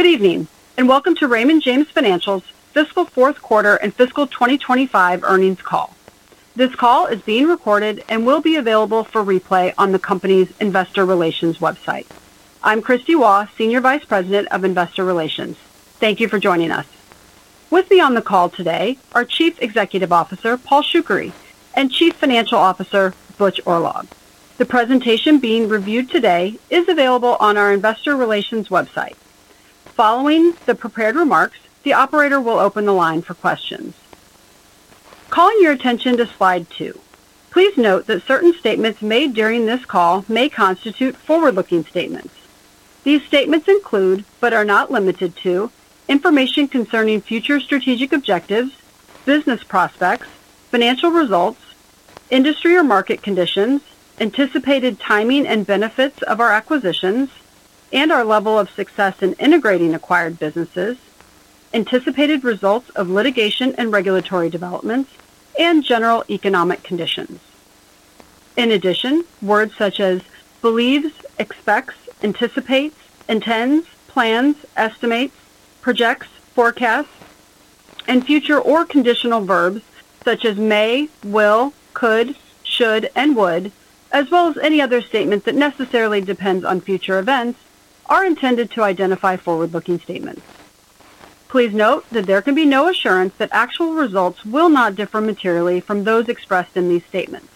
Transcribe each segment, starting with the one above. Good evening and welcome to Raymond James Financial's fiscal Q4 and fiscal 2025 earnings call. This call is being recorded and will be available for replay on the company's Investor Relations website. I'm Kristie Waugh, Senior Vice President of Investor Relations. Thank you for joining us. With me on the call today are Chief Executive Officer Paul Shoukry and Chief Financial Officer Butch Oorlog. The presentation being reviewed today is available on our Investor Relations website. Following the prepared remarks, the operator will open the line for questions. Calling your attention to slide two. Please note that certain statements made during this call may constitute forward-looking statements. These statements include, but are not limited to, information concerning future strategic objectives, business prospects, financial results, industry or market conditions, anticipated timing and benefits of our acquisitions, and our level of success in integrating acquired businesses, anticipated results of litigation and regulatory developments, and general economic conditions. In addition, words such as "believes," "expects," "anticipates," "intends," "plans," "estimates," "projects," "forecasts," and future or conditional verbs such as "may," "will," "could," "should," and "would," as well as any other statement that necessarily depends on future events, are intended to identify forward-looking statements. Please note that there can be no assurance that actual results will not differ materially from those expressed in these statements.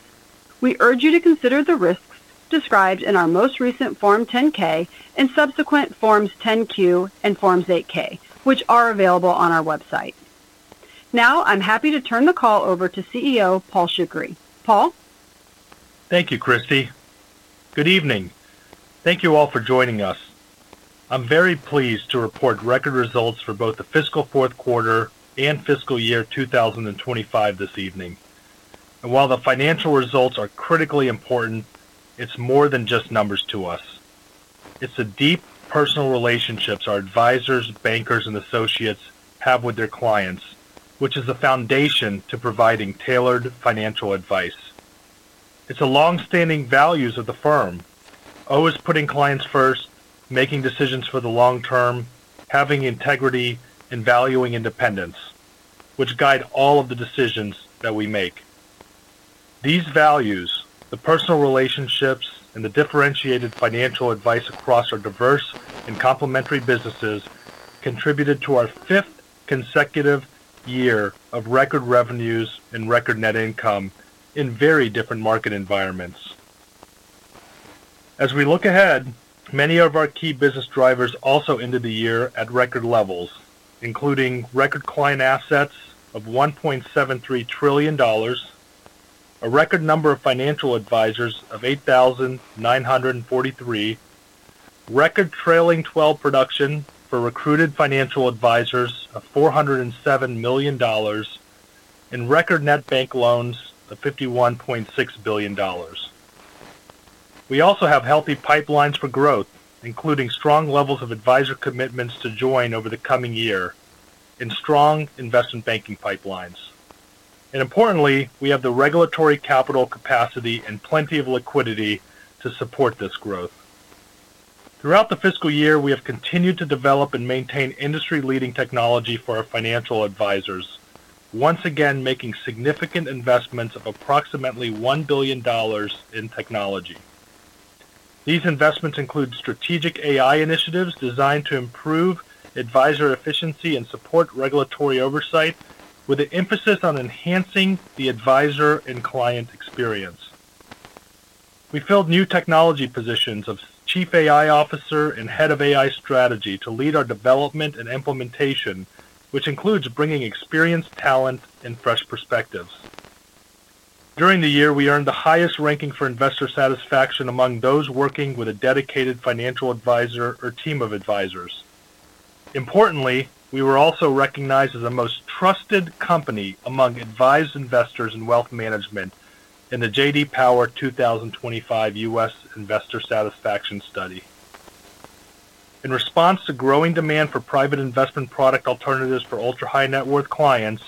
We urge you to consider the risks described in our most recent Form 10-K and subsequent Forms 10-Q and Forms 8-K, which are available on our website. Now, I'm happy to turn the call over to CEO Paul Shoukry. Paul? Thank you, Kristie. Good evening. Thank you all for joining us. I'm very pleased to report record results for both the fiscal Q4 and fiscal year 2025 this evening. While the financial results are critically important, it's more than just numbers to us. It's the deep personal relationships our advisors, bankers, and associates have with their clients, which is the foundation to providing tailored financial advice. It's the longstanding values of the firm, always putting clients first, making decisions for the long-term, having integrity, and valuing independence, which guide all of the decisions that we make. These values, the personal relationships, and the differentiated financial advice across our diverse and complementary businesses contributed to our fifth consecutive year of record revenues and record net income in very different market environments. As we look ahead, many of our key business drivers also ended the year at record levels, including record client assets of $1.73 trillion, a record number of financial advisors of 8,943, record trailing 12 production for recruited financial advisors of $407 million, and record net bank loans of $51.6 billion. We also have healthy pipelines for growth, including strong levels of advisor commitments to join over the coming year and strong investment banking pipelines. Importantly, we have the regulatory capital capacity and plenty of liquidity to support this growth. Throughout the fiscal year, we have continued to develop and maintain industry-leading technology for our financial advisors, once again making significant investments of approximately $1 billion in technology. These investments include strategic AI initiatives designed to improve advisor efficiency and support regulatory oversight, with an emphasis on enhancing the advisor and client experience. We filled new technology positions of Chief AI Officer and Head of AI Strategy to lead our development and implementation, which includes bringing experienced talent and fresh perspectives. During the year, we earned the highest ranking for investor satisfaction among those working with a dedicated financial advisor or team of advisors. Importantly, we were also recognized as the most trusted company among advised investors in wealth management in the J.D. Power 2025 U.S. Investor Satisfaction Study. In response to growing demand for private investment product alternatives for ultra-high net worth clients,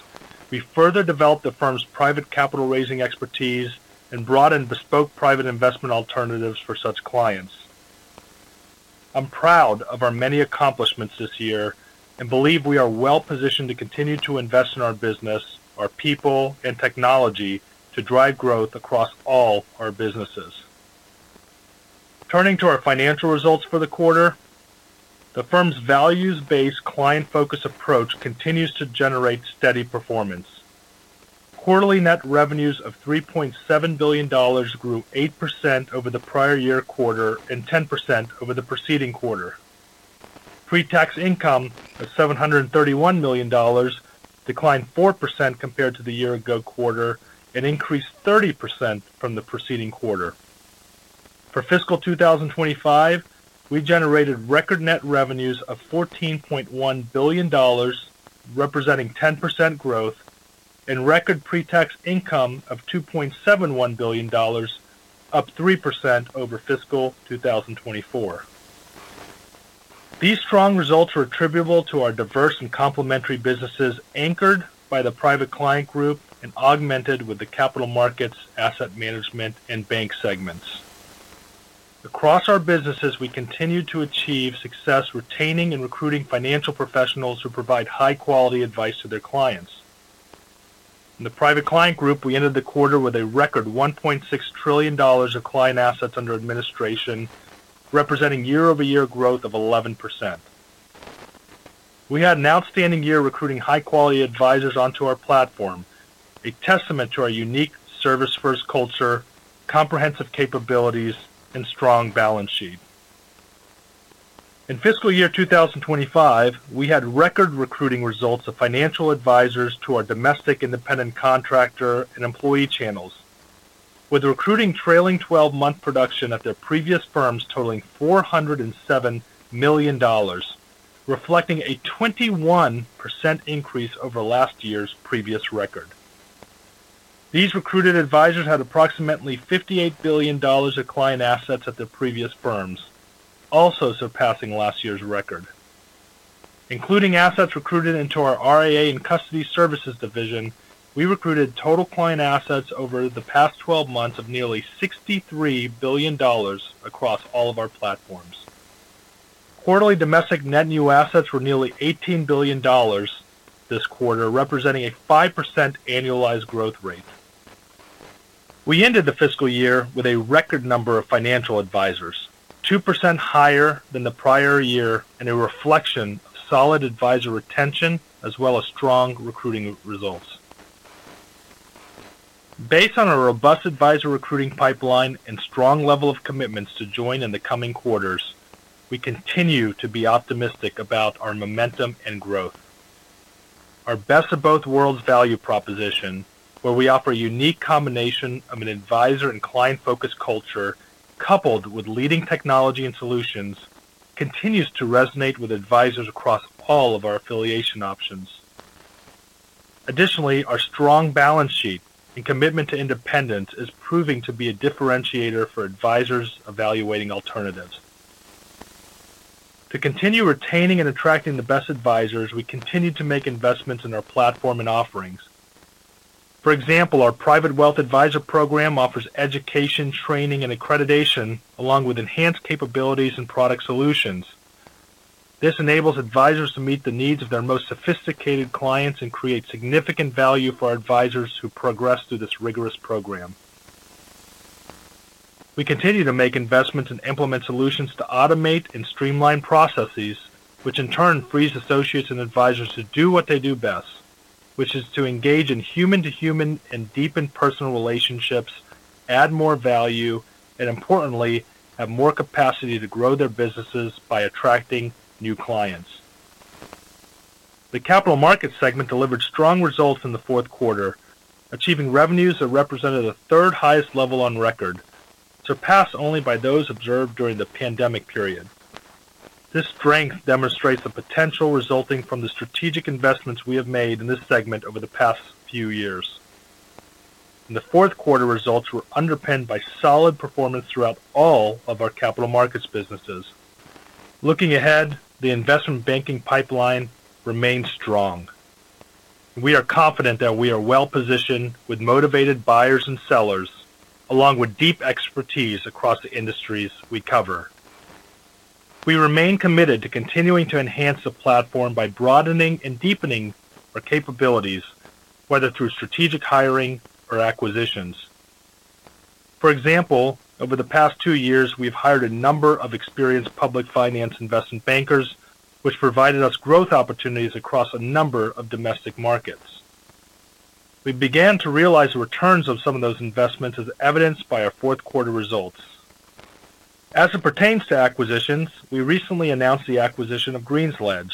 we further developed the firm's private capital raising expertise and brought in bespoke private investment alternatives for such clients. I'm proud of our many accomplishments this year and believe we are well-positioned to continue to invest in our business, our people, and technology to drive growth across all our businesses. Turning to our financial results for the quarter, the firm's values-based client-focused approach continues to generate steady performance. Quarterly net revenues of $3.7 billion grew 8% over the prior year quarter and 10% over the preceding quarter. Pre-tax income of $731 million declined 4% compared to the year-ago quarter and increased 30% from the preceding quarter. For fiscal 2025, we generated record net revenues of $14.1 billion, representing 10% growth, and record pre-tax income of $2.71 billion, up 3% over fiscal 2024. These strong results are attributable to our diverse and complementary businesses anchored by the Private Client Group and augmented with the Capital Markets, Asset Management, and Bank segments. Across our businesses, we continue to achieve success retaining and recruiting financial professionals who provide high-quality advice to their clients. In the Private Client Group, we ended the quarter with a record $1.6 trillion of client assets under administration, representing year-over-year growth of 11%. We had an outstanding year recruiting high-quality advisors onto our platform, a testament to our unique service-first culture, comprehensive capabilities, and strong balance sheet. In fiscal year 2025, we had record recruiting results of financial advisors to our domestic independent contractor and employee channels, with recruiting trailing 12-month production at their previous firms totaling $407 million, reflecting a 21% increase over last year's previous record. These recruited advisors had approximately $58 billion of client assets at their previous firms, also surpassing last year's record. Including assets recruited into our RAA and Custody Services Division, we recruited total client assets over the past 12 months of nearly $63 billion across all of our platforms. Quarterly domestic net new assets were nearly $18 billion this quarter, representing a 5% annualized growth rate. We ended the fiscal year with a record number of financial advisors, 2% higher than the prior year, and a reflection of solid advisor retention as well as strong recruiting results. Based on our robust advisor recruiting pipeline and strong level of commitments to join in the coming quarters, we continue to be optimistic about our momentum and growth. Our best-of-both-worlds value proposition, where we offer a unique combination of an advisor and client-focused culture coupled with leading technology and solutions, continues to resonate with advisors across all of our affiliation options. Additionally, our strong balance sheet and commitment to independence is proving to be a differentiator for advisors evaluating alternatives. To continue retaining and attracting the best advisors, we continue to make investments in our platform and offerings. For example, our Private Wealth Advisor Program offers education, training, and accreditation along with enhanced capabilities and product solutions. This enables advisors to meet the needs of their most sophisticated clients and create significant value for our advisors who progress through this rigorous program. We continue to make investments and implement solutions to automate and streamline processes, which in turn frees associates and advisors to do what they do best, which is to engage in human-to-human and deepened personal relationships, add more value, and importantly, have more capacity to grow their businesses by attracting new clients. The Capital Markets segment delivered strong results in the fourth quarter, achieving revenues that represented the third-highest level on record, surpassed only by those observed during the pandemic period. This strength demonstrates the potential resulting from the strategic investments we have made in this segment over the past few years. The fourth quarter results were underpinned by solid performance throughout all of our Capital Markets businesses. Looking ahead, the investment banking pipeline remains strong. We are confident that we are well-positioned with motivated buyers and sellers, along with deep expertise across the industries we cover. We remain committed to continuing to enhance the platform by broadening and deepening our capabilities, whether through strategic hiring or acquisitions. For example, over the past two years, we've hired a number of experienced public finance investment bankers, which provided us growth opportunities across a number of domestic markets. We began to realize the returns of some of those investments as evidenced by our fourth quarter results. As it pertains to acquisitions, we recently announced the acquisition of GreensLedge,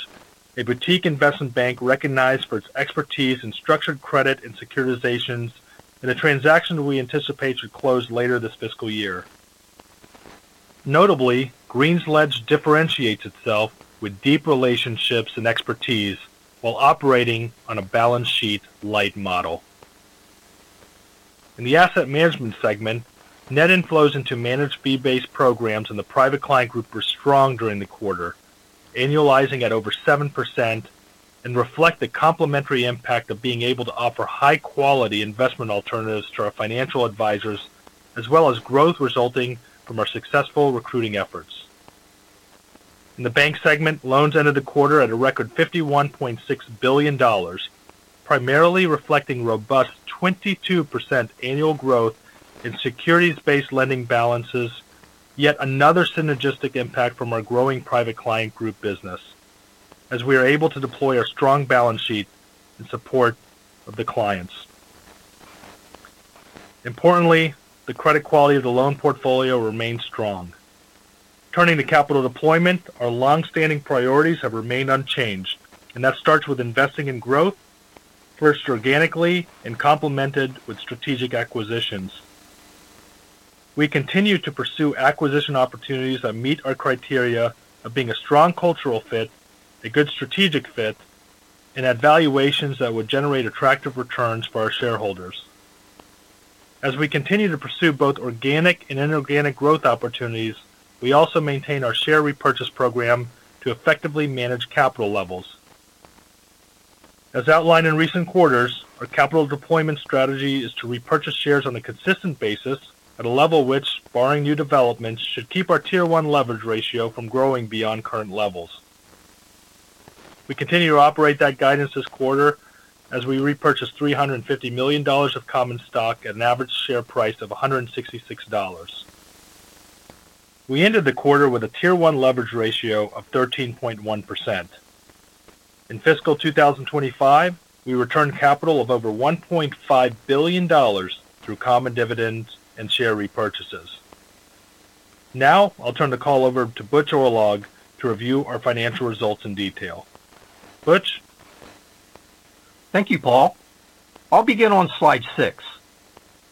a boutique investment bank recognized for its expertise in structured credit and securitizations, in a transaction that we anticipate to close later this fiscal year. Notably, GreensLedge differentiates itself with deep relationships and expertise while operating on a balance sheet light model. In the asset management segment, net inflows into managed fee-based programs in the Private Client Group were strong during the quarter, annualizing at over 7%, and reflect the complementary impact of being able to offer high-quality investment alternatives to our financial advisors, as well as growth resulting from our successful recruiting efforts. In the bank segment, loans ended the quarter at a record $51.6 billion, primarily reflecting robust 22% annual growth in securities-based lending balances, yet another synergistic impact from our growing Private Client Group business, as we are able to deploy a strong balance sheet and support of the clients. Importantly, the credit quality of the loan portfolio remains strong. Turning to capital deployment, our longstanding priorities have remained unchanged, and that starts with investing in growth first organically and complemented with strategic acquisitions. We continue to pursue acquisition opportunities that meet our criteria of being a strong cultural fit, a good strategic fit, and at valuations that would generate attractive returns for our shareholders. As we continue to pursue both organic and inorganic growth opportunities, we also maintain our share repurchase program to effectively manage capital levels. As outlined in recent quarters, our capital deployment strategy is to repurchase shares on a consistent basis at a level which, barring new developments, should keep our tier one leverage ratio from growing beyond current levels. We continue to operate that guidance this quarter as we repurchased $350 million of common stock at an average share price of $166. We ended the quarter with a Tier 1 leverage ratio of 13.1%. In fiscal 2025, we returned capital of over $1.5 billion through common dividends and share repurchases. Now, I'll turn the call over to Butch Oorlog to review our financial results in detail. Butch. Thank you, Paul. I'll begin on slide six.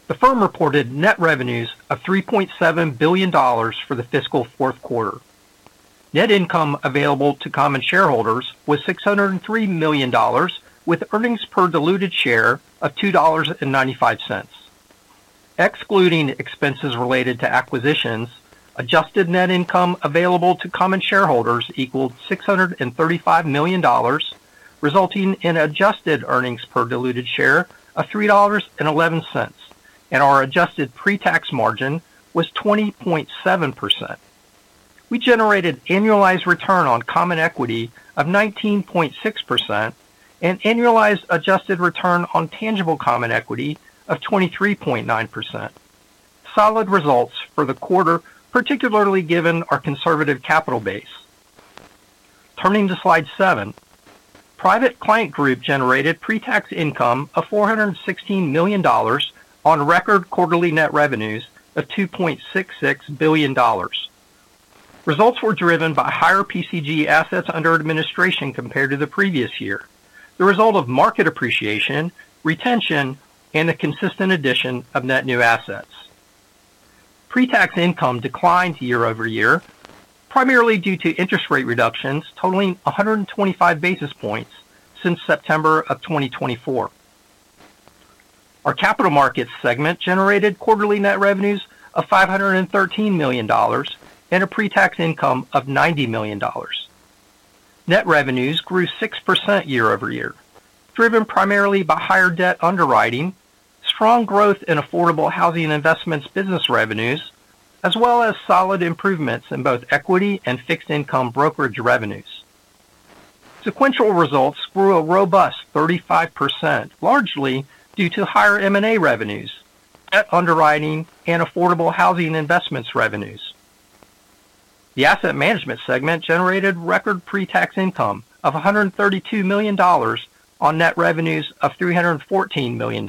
The firm reported net revenues of $3.7 billion for the fiscal fourth quarter. Net income available to common shareholders was $603 million, with earnings per diluted share of $2.95. Excluding expenses related to acquisitions, adjusted net income available to common shareholders equaled $635 million, resulting in adjusted earnings per diluted share of $3.11, and our adjusted pre-tax margin was 20.7%. We generated annualized return on common equity of 19.6% and annualized adjusted return on tangible common equity of 23.9%. Solid results for the quarter, particularly given our conservative capital base. Turning to slide seven, the Private Client Group generated pre-tax income of $416 million on record quarterly net revenues of $2.66 billion. Results were driven by higher PCG assets under administration compared to the previous year, the result of market appreciation, retention, and the consistent addition of net new assets. Pre-tax income declined year over year, primarily due to interest rate reductions totaling 125 basis points since September of 2024. Our Capital Markets segment generated quarterly net revenues of $513 million and a pre-tax income of $90 million. Net revenues grew 6% year-over-year, driven primarily by higher debt underwriting, strong growth in affordable housing investments business revenues, as well as solid improvements in both equity and fixed income brokerage revenues. Sequential results grew a robust 35%, largely due to higher M&A revenues, debt underwriting, and affordable housing investments revenues. The asset management segment generated record pre-tax income of $132 million on net revenues of $314 million.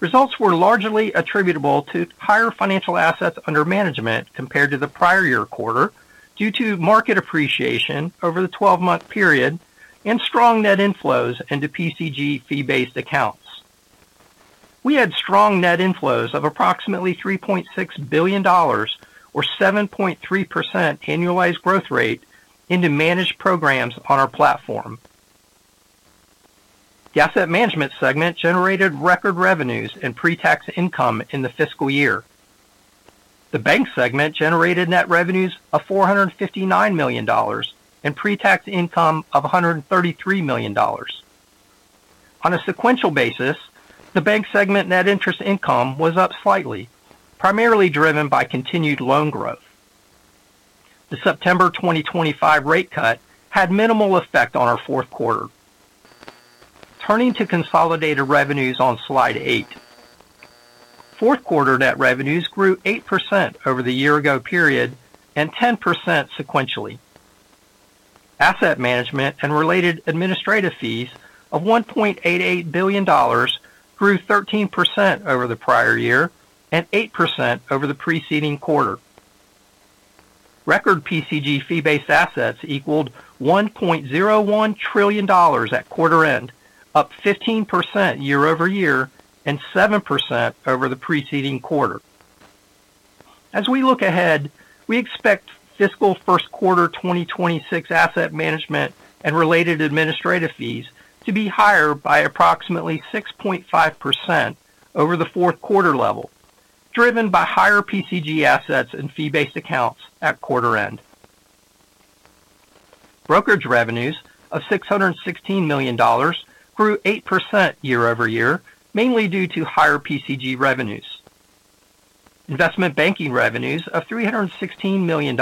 Results were largely attributable to higher financial assets under management compared to the prior year quarter due to market appreciation over the 12-month period and strong net inflows into PCG fee-based accounts. We had strong net inflows of approximately $3.6 billion or 7.3% annualized growth rate into managed programs on our platform. The asset management segment generated record revenues and pre-tax income in the fiscal year. The bank segment generated net revenues of $459 million and pre-tax income of $133 million. On a sequential basis, the bank segment net interest income was up slightly, primarily driven by continued loan growth. The September 2025 rate cut had minimal effect on our fourth quarter. Turning to consolidated revenues on slide eight, fourth quarter net revenues grew 8% over the year-ago period and 10% sequentially. Asset management and related administrative fees of $1.88 billion grew 13% over the prior year and 8% over the preceding quarter. Record PCG fee-based assets equaled $1.01 trillion at quarter end, up 15% year-over-year and 7% over the preceding quarter. As we look ahead, we expect fiscal first quarter 2026 asset management and related administrative fees to be higher by approximately 6.5% over the fourth quarter level, driven by higher PCG assets and fee-based accounts at quarter end. Brokerage revenues of $616 million grew 8% year-over-year, mainly due to higher PCG revenues. Investment banking revenues of $316 million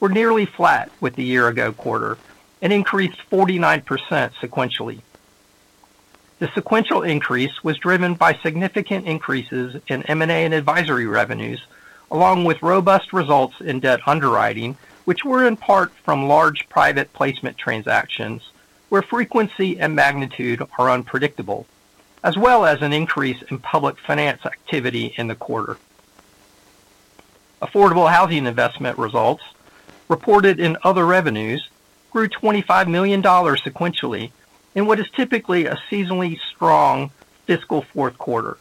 were nearly flat with the year-ago quarter and increased 49% sequentially. The sequential increase was driven by significant increases in M&A and advisory revenues, along with robust results in debt underwriting, which were in part from large private placement transactions where frequency and magnitude are unpredictable, as well as an increase in public finance activity in the quarter. Affordable housing investment results reported in other revenues grew $25 million sequentially in what is typically a seasonally strong fiscal fourth quarter,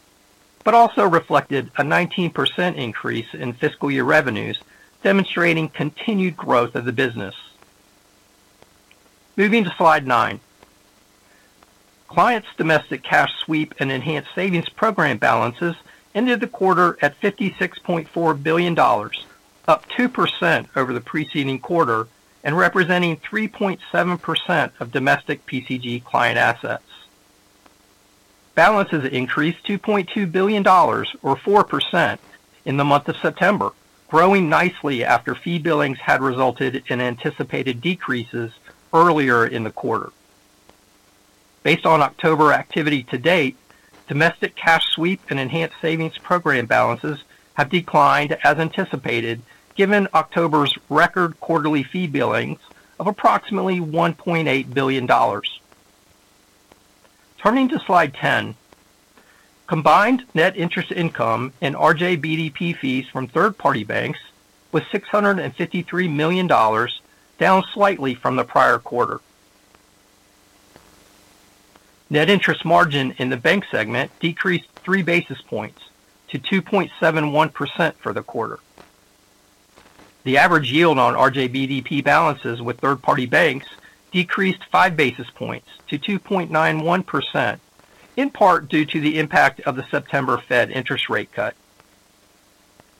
but also reflected a 19% increase in fiscal year revenues, demonstrating continued growth of the business. Moving to slide nine, clients' domestic cash sweep and enhanced savings program balances ended the quarter at $56.4 billion, up 2% over the preceding quarter and representing 3.7% of domestic PCG client assets. Balances increased $2.2 billion or 4% in the month of September, growing nicely after fee billings had resulted in anticipated decreases earlier in the quarter. Based on October activity to date, domestic cash sweep and enhanced savings program balances have declined as anticipated, given October's record quarterly fee billings of approximately $1.8 billion. Turning to slide 10, combined net interest income and RJ BDP fees from third-party banks was $653 million, down slightly from the prior quarter. Net interest margin in the bank segment decreased three basis points to 2.71% for the quarter. The average yield on RJ BDP balances with third-party banks decreased five basis points to 2.91%, in part due to the impact of the September Fed interest rate cut.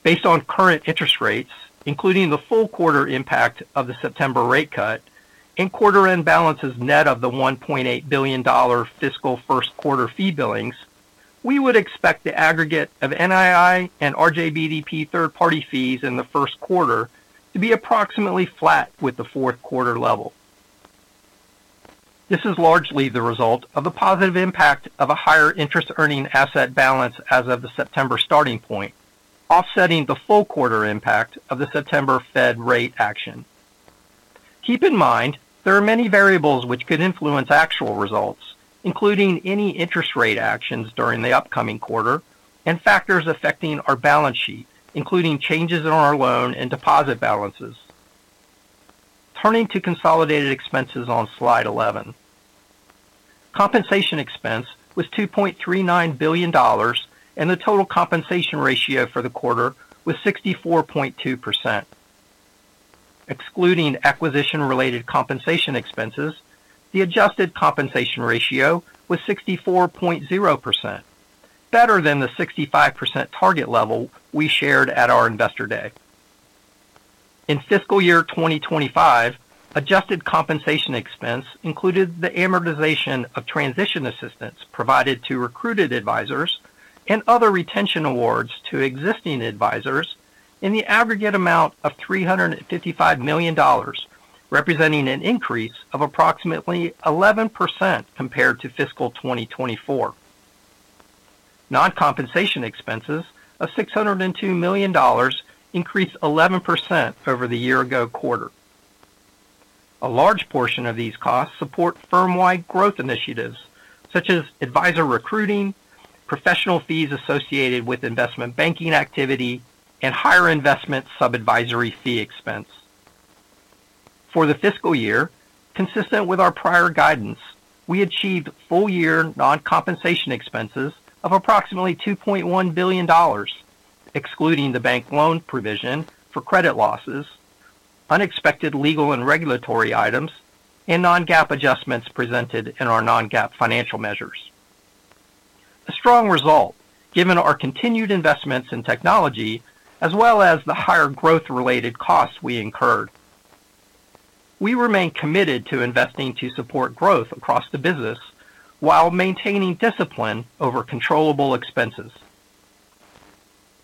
Based on current interest rates, including the full quarter impact of the September rate cut and quarter-end balances net of the $1.8 billion fiscal first quarter fee billings, we would expect the aggregate of NII and RJ BDP third-party fees in the first quarter to be approximately flat with the fourth quarter level. This is largely the result of the positive impact of a higher interest earning asset balance as of the September starting point, offsetting the full quarter impact of the September Fed rate action. Keep in mind, there are many variables which could influence actual results, including any interest rate actions during the upcoming quarter and factors affecting our balance sheet, including changes in our loan and deposit balances. Turning to consolidated expenses on slide 11, compensation expense was $2.39 billion, and the total compensation ratio for the quarter was 64.2%. Excluding acquisition-related compensation expenses, the adjusted compensation ratio was 64.0%, better than the 65% target level we shared at our Investor Day. In fiscal year 2025, adjusted compensation expense included the amortization of transition assistance provided to recruited advisors and other retention awards to existing advisors in the aggregate amount of $355 million, representing an increase of approximately 11% compared to fiscal 2024. Non-compensation expenses of $602 million increased 11% over the year-ago quarter. A large portion of these costs support firm-wide growth initiatives such as advisor recruiting, professional fees associated with investment banking activity, and higher investment sub-advisory fee expense. For the fiscal year, consistent with our prior guidance, we achieved full-year non-compensation expenses of approximately $2.1 billion, excluding the bank loan provision for credit losses, unexpected legal and regulatory items, and non-GAAP adjustments presented in our non-GAAP financial measures. A strong result given our continued investments in technology, as well as the higher growth-related costs we incurred. We remain committed to investing to support growth across the business while maintaining discipline over controllable expenses.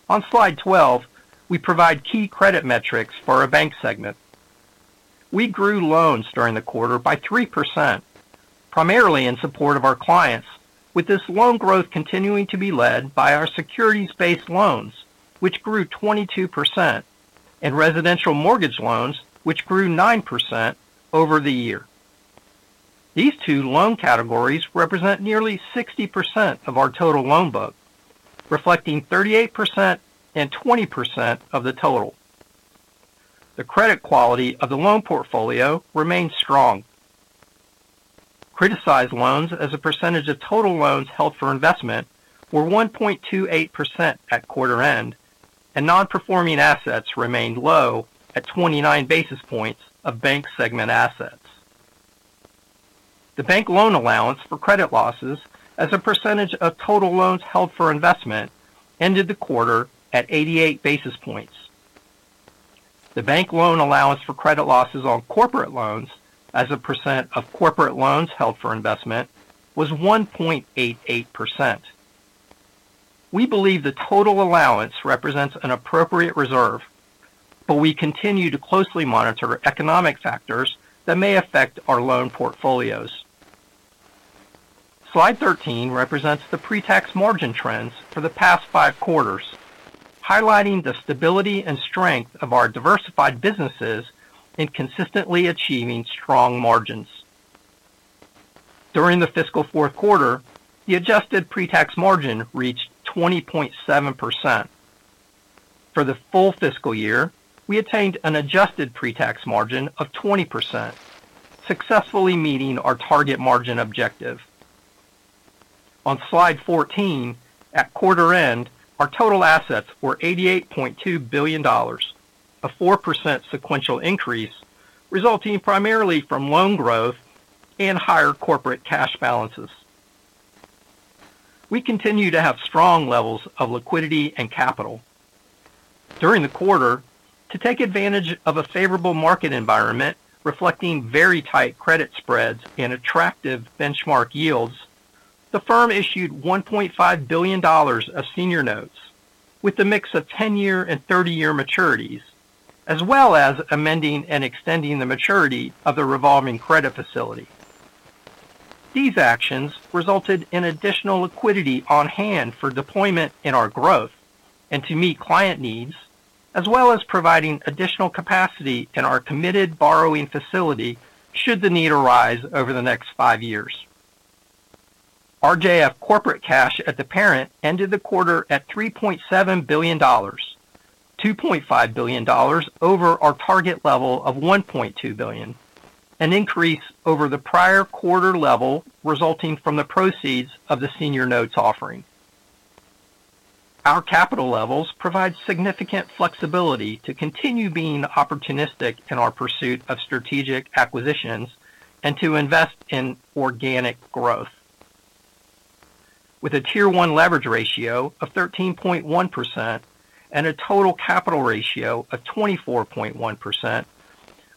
On slide 12, we provide key credit metrics for our bank segment. We grew loans during the quarter by 3%, primarily in support of our clients, with this loan growth continuing to be led by our securities-based loans, which grew 22%, and residential mortgage loans, which grew 9% over the year. These two loan categories represent nearly 60% of our total loan book, reflecting 38% and 20% of the total. The credit quality of the loan portfolio remains strong. Criticized loans as a percentage of total loans held for investment were 1.28% at quarter end, and non-performing assets remained low at 29 basis points of bank segment assets. The bank loan allowance for credit losses as a percentage of total loans held for investment ended the quarter at 88 basis points. The bank loan allowance for credit losses on corporate loans as a percent of corporate loans held for investment was 1.88%. We believe the total allowance represents an appropriate reserve, but we continue to closely monitor economic factors that may affect our loan portfolios. Slide 13 represents the pre-tax margin trends for the past five quarters, highlighting the stability and strength of our diversified businesses in consistently achieving strong margins. During the fiscal fourth quarter, the adjusted pre-tax margin reached 20.7%. For the full fiscal year, we attained an adjusted pre-tax margin of 20%, successfully meeting our target margin objective. On slide 14, at quarter end, our total assets were $88.2 billion, a 4% sequential increase resulting primarily from loan growth and higher corporate cash balances. We continue to have strong levels of liquidity and capital. During the quarter, to take advantage of a favorable market environment reflecting very tight credit spreads and attractive benchmark yields, the firm issued $1.5 billion of senior notes with a mix of 10-year and 30-year maturities, as well as amending and extending the maturity of the revolving credit facility. These actions resulted in additional liquidity on hand for deployment in our growth and to meet client needs, as well as providing additional capacity in our committed borrowing facility should the need arise over the next five years. RJF corporate cash at the parent ended the quarter at $3.7 billion, $2.5 billion over our target level of $1.2 billion, an increase over the prior quarter level resulting from the proceeds of the senior notes offering. Our capital levels provide significant flexibility to continue being opportunistic in our pursuit of strategic acquisitions and to invest in organic growth. With a Tier 1 leverage ratio of 13.1% and a total capital ratio of 24.1%,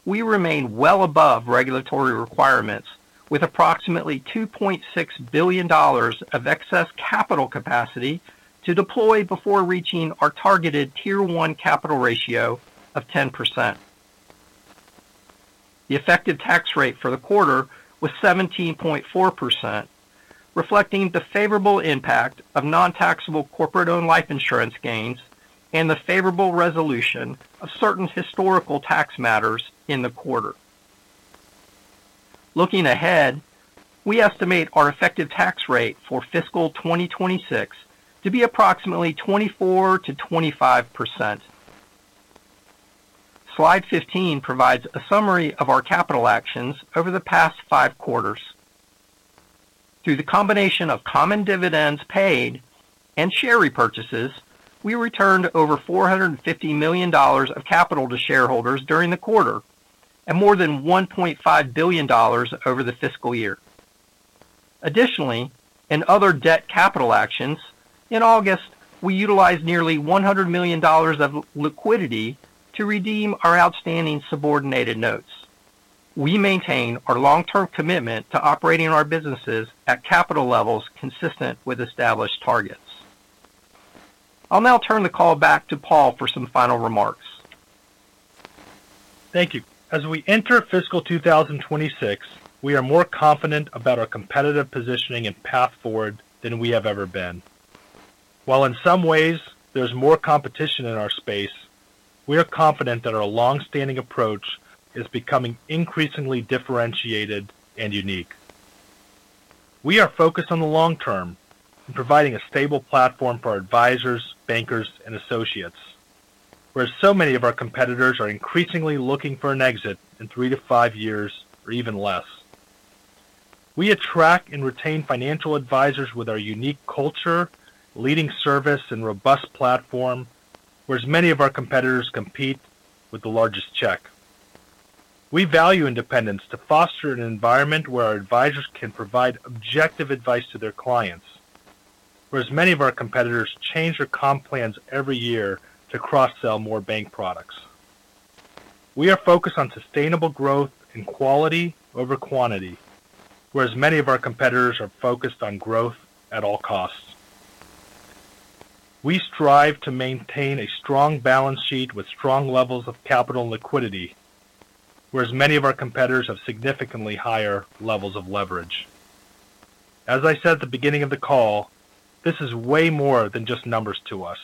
we remain well above regulatory requirements with approximately $2.6 billion of excess capital capacity to deploy before reaching our targeted tier one capital ratio of 10%. The effective tax rate for the quarter was 17.4%, reflecting the favorable impact of non-taxable corporate-owned life insurance gains and the favorable resolution of certain historical tax matters in the quarter. Looking ahead, we estimate our effective tax rate for fiscal 2026 to be approximately 24%-25%. Slide 15 provides a summary of our capital actions over the past five quarters. Through the combination of common dividends paid and share repurchases, we returned over $450 million of capital to shareholders during the quarter and more than $1.5 billion over the fiscal year. Additionally, in other debt capital actions, in August, we utilized nearly $100 million of liquidity to redeem our outstanding subordinated notes. We maintain our long-term commitment to operating our businesses at capital levels consistent with established targets. I'll now turn the call back to Paul for some final remarks. Thank you. As we enter fiscal 2026, we are more confident about our competitive positioning and path forward than we have ever been. While in some ways there's more competition in our space, we are confident that our longstanding approach is becoming increasingly differentiated and unique. We are focused on the long-term and providing a stable platform for our advisors, bankers, and associates, whereas so many of our competitors are increasingly looking for an exit in three to five years or even less. We attract and retain financial advisors with our unique culture, leading service, and robust platform, whereas many of our competitors compete with the largest check. We value independence to foster an environment where our advisors can provide objective advice to their clients, whereas many of our competitors change their comp plans every year to cross-sell more bank products. We are focused on sustainable growth and quality over quantity, whereas many of our competitors are focused on growth at all costs. We strive to maintain a strong balance sheet with strong levels of capital and liquidity, whereas many of our competitors have significantly higher levels of leverage. As I said at the beginning of the call, this is way more than just numbers to us.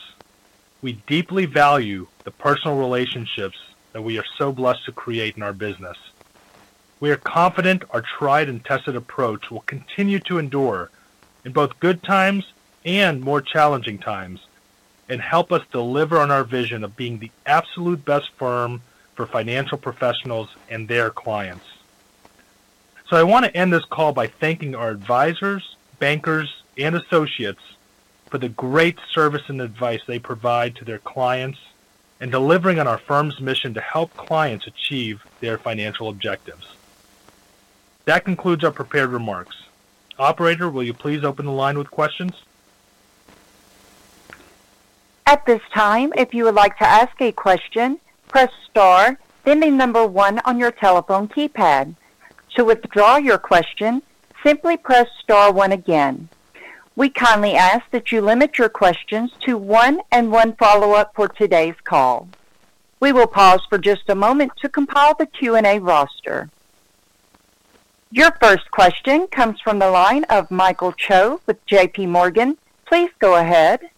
We deeply value the personal relationships that we are so blessed to create in our business. We are confident our tried and tested approach will continue to endure in both good times and more challenging times and help us deliver on our vision of being the absolute best firm for financial professionals and their clients.I want to end this call by thanking our advisors, bankers, and associates for the great service and advice they provide to their clients and delivering on our firm's mission to help clients achieve their financial objectives. That concludes our prepared remarks. Operator, will you please open the line with questions? At this time, if you would like to ask a question, press star, then the number one on your telephone keypad. To withdraw your question, simply press star one again. We kindly ask that you limit your questions to one and one follow-up for today's call. We will pause for just a moment to compile the Q&A roster. Your first question comes from the line of Michael Choe with JPMorgan. Please go ahead.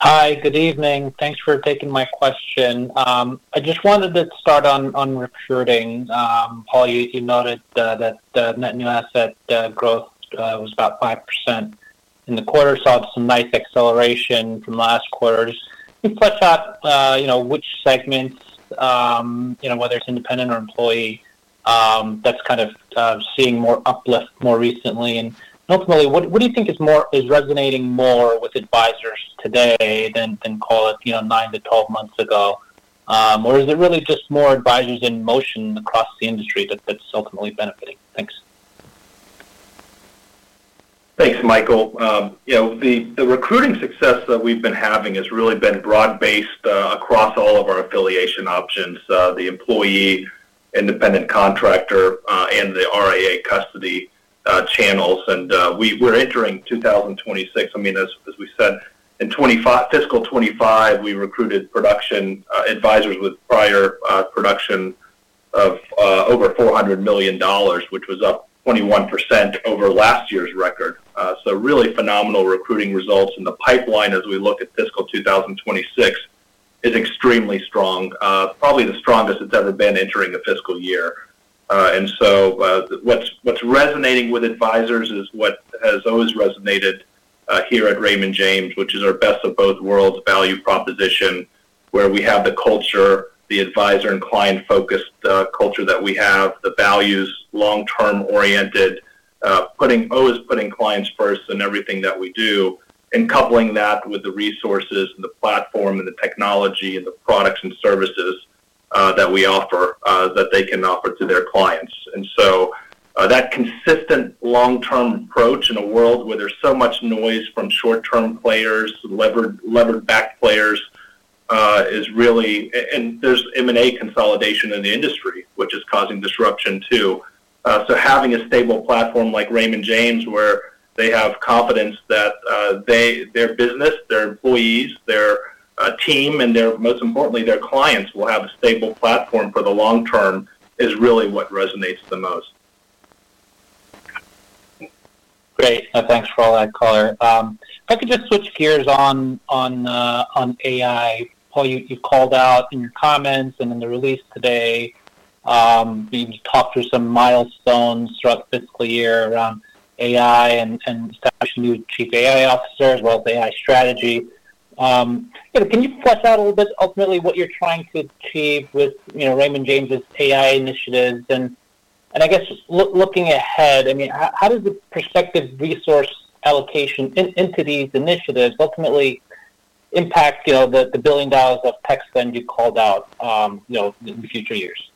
Hi, good evening. Thanks for taking my question. I just wanted to start on recruiting. Paul, you noted that net new asset growth was about 5% in the quarter, saw some nice acceleration from last quarter. Can you flesh out which segments, whether it's independent or employee, that's kind of seeing more uplift more recently? Ultimately, what do you think is resonating more with advisors today than, call it, nine to 12 months ago? Is it really just more advisors in motion across the industry that it's ultimately benefiting? Thanks. Thanks, Michael. The recruiting success that we've been having has really been broad-based across all of our affiliation options, the employee, independent contractor, and the RAA custody channels. We're entering 2026. As we said, in fiscal 2025, we recruited production advisors with prior production of over $400 million, which was up 21% over last year's record. Really phenomenal recruiting results. The pipeline, as we look at fiscal 2026, is extremely strong, probably the strongest it's ever been entering the fiscal year. What's resonating with advisors is what has always resonated here at Raymond James, which is our best-of-both-worlds value proposition, where we have the culture, the advisor and client-focused culture that we have, the values long-term oriented, always putting clients first in everything that we do, and coupling that with the resources and the platform and the technology and the products and services that we offer that they can offer to their clients. That consistent long-term approach in a world where there's so much noise from short-term players, levered-backed players, is really, and there's M&A consolidation in the industry, which is causing disruption too. Having a stable platform like Raymond James, where they have confidence that their business, their employees, their team, and most importantly, their clients will have a stable platform for the long-term, is really what resonates the most. Great. Thanks for all that, color. If I could just switch gears on AI. Paul, you called out in your comments and in the release today, you talked through some milestones throughout the fiscal year around AI and establishing new Chief AI Officer as well as AI strategy. Can you flesh out a little bit ultimately what you're trying to achieve with Raymond James' AI initiatives? I guess just looking ahead, how does the prospective resource allocation into these initiatives ultimately impact the $1 billion of tech spend you called out in the future years?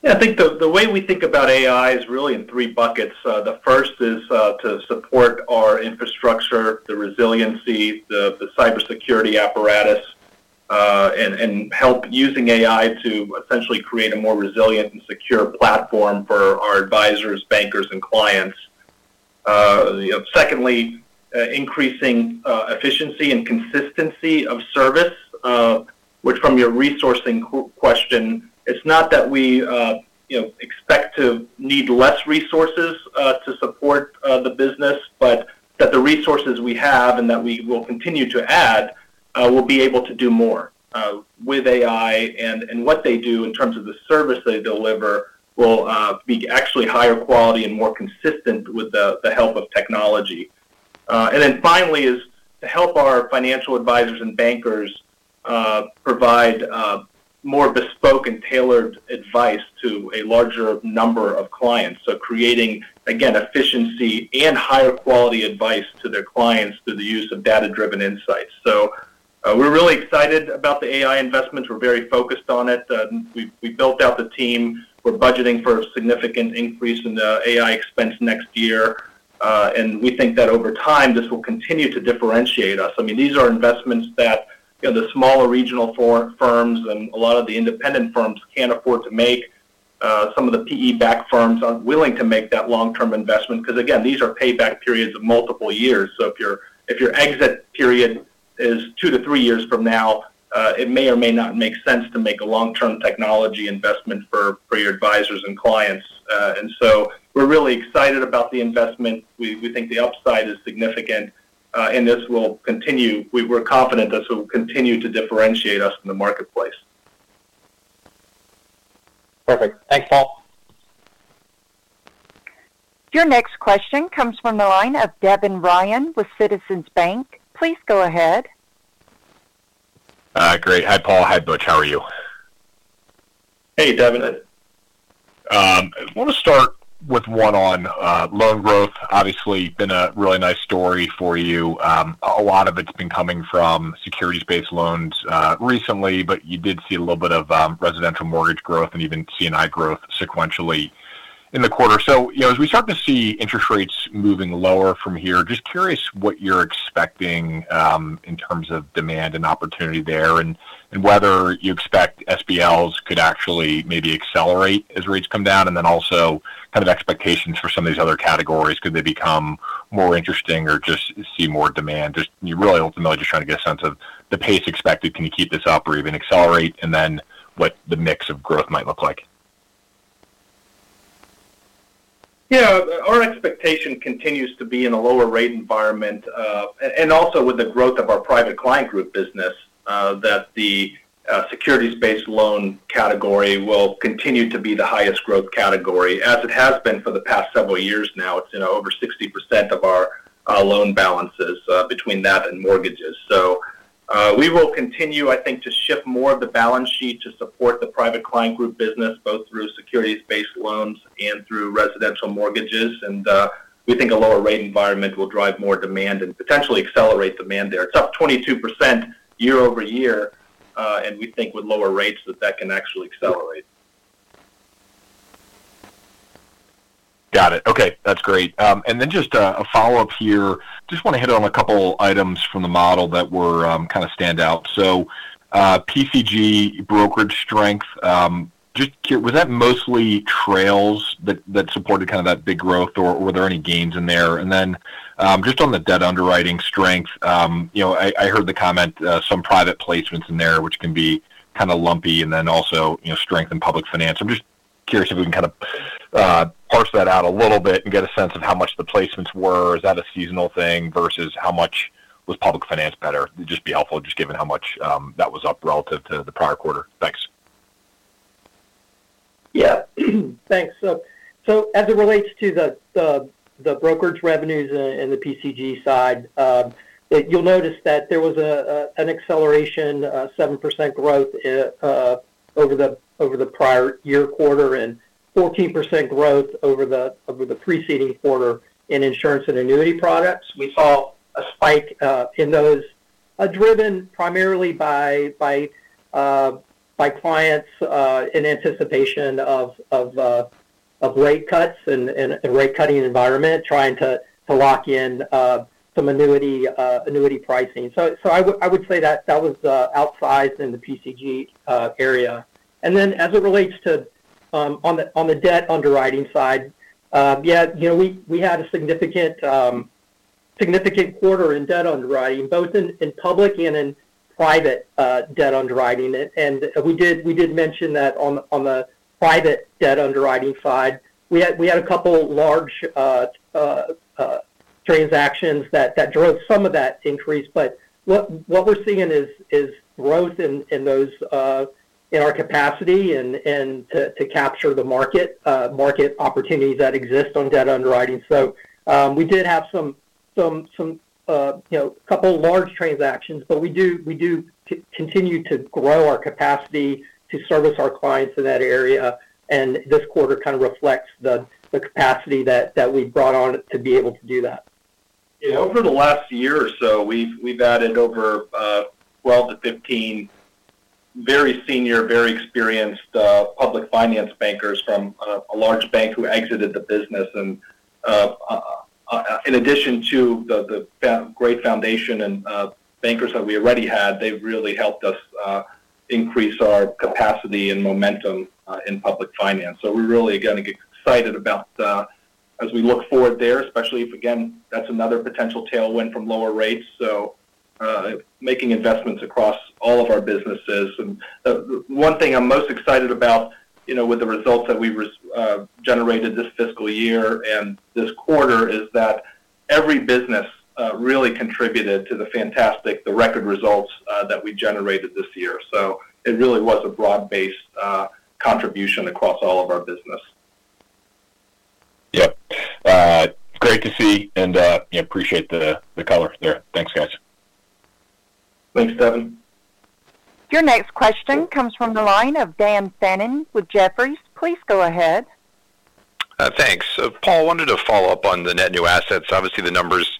Thank you. Yeah, I think the way we think about AI is really in three buckets. The first is to support our infrastructure, the resiliency, the cybersecurity apparatus, and help using AI to essentially create a more resilient and secure platform for our advisors, bankers, and clients. Secondly, increasing efficiency and consistency of service, which from your resourcing question, it's not that we expect to need less resources to support the business, but that the resources we have and that we will continue to add will be able to do more with AI. What they do in terms of the service they deliver will be actually higher quality and more consistent with the help of technology. Finally, is to help our financial advisors and bankers provide more bespoke and tailored advice to a larger number of clients. Creating, again, efficiency and higher quality advice to their clients through the use of data-driven insights. We're really excited about the AI investments. We're very focused on it. We built out the team. We're budgeting for a significant increase in the AI expense next year. We think that over time this will continue to differentiate us. These are investments that the smaller regional firms and a lot of the independent firms can't afford to make. Some of the PE-backed firms aren't willing to make that long-term investment because these are payback periods of multiple years. If your exit period is two to three years from now, it may or may not make sense to make a long-term technology investment for your advisors and clients. We're really excited about the investment. We think the upside is significant, and this will continue. We're confident this will continue to differentiate us in the marketplace. Perfect. Thanks, Paul. Your next question comes from the line of Devin Ryan with Citizens Bank. Please go ahead. Great. Hi, Paul. Hi, Butch. How are you? Hey, Devin. I want to start with one on loan growth. Obviously, it's been a really nice story for you. A lot of it's been coming from securities-based loans recently, but you did see a little bit of residential mortgage growth and even C&I growth sequentially in the quarter. As we start to see interest rates moving lower from here, just curious what you're expecting in terms of demand and opportunity there and whether you expect SBLs could actually maybe accelerate as rates come down, and also kind of expectations for some of these other categories. Could they become more interesting or just see more demand? Ultimately just trying to get a sense of the pace expected. Can you keep this up or even accelerate, and then what the mix of growth might look like. Yeah, our expectation continues to be in a lower rate environment and also with the growth of our Private Client Group business that the securities-based loan category will continue to be the highest growth category, as it has been for the past several years now. It's over 60% of our loan balances between that and mortgages. We will continue, I think, to shift more of the balance sheet to support the Private Client Group business, both through securities-based loans and through residential mortgages. We think a lower rate environment will drive more demand and potentially accelerate demand there. It's up 22% year-over-year, and we think with lower rates that that can actually accelerate. Got it. Okay, that's great. Just a follow-up here. I just want to hit on a couple items from the model that were kind of standout. PCG brokerage strength, just curious, was that mostly trails that supported kind of that big growth, or were there any gains in there? Just on the debt underwriting strength, I heard the comment some private placements in there, which can be kind of lumpy, and also strength in public finance. I'm just curious if we can kind of parse that out a little bit and get a sense of how much the placements were. Is that a seasonal thing versus how much was public finance better? It'd just be helpful just given how much that was up relative to the prior quarter. Thanks. Yeah, thanks. As it relates to the brokerage revenues and the Private Client Group side, you'll notice that there was an acceleration, 7% growth over the prior year quarter and 14% growth over the preceding quarter in insurance and annuity products. We saw a spike in those, driven primarily by clients in anticipation of rate cuts and a rate cutting environment, trying to lock in some annuity pricing. I would say that was outsized in the PCG area. As it relates to the debt underwriting side, we had a significant quarter in debt underwriting, both in public and in private debt underwriting. We did mention that on the private debt underwriting side, we had a couple large transactions that drove some of that increase. What we're seeing is growth in our capacity to capture the market opportunities that exist on debt underwriting. We did have a couple large transactions, but we do continue to grow our capacity to service our clients in that area. This quarter reflects the capacity that we brought on to be able to do that. Over the last year or so, we've added over 12-15 very senior, very experienced public finance bankers from a large bank who exited the business. In addition to the great foundation and bankers that we already had, they've really helped us increase our capacity and momentum in public finance. We're really excited about as we look forward there, especially if that's another potential tailwind from lower rates. Making investments across all of our businesses, one thing I'm most excited about with the results that we've generated this fiscal year and this quarter is that every business really contributed to the fantastic, the record results that we generated this year. It really was a broad-based contribution across all of our business. Yeah, great to see and appreciate the color there. Thanks, guys. Thanks, Devin. Your next question comes from the line of Dan Fannon with Jefferies. Please go ahead. Thanks. Paul, I wanted to follow up on the net new assets. Obviously, the numbers